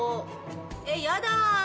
えっやだ。